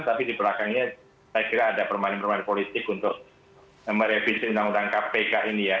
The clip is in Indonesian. tapi di belakangnya saya kira ada permainan permainan politik untuk merevisi undang undang kpk ini ya